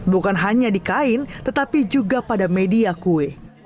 bukan hanya di kain tetapi juga pada media kue